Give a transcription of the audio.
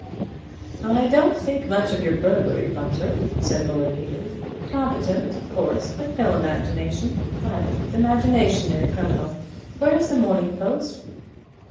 "I don't think much of your burglary, Bunter," said Lord Peter. "Competent, of course, but no imagination. I want imagination in a criminal. Where's the Morning Post?"